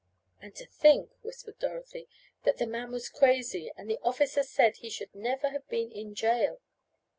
"And to think," whispered Dorothy, "that the man was crazy, and the officer said he should never have been in jail!"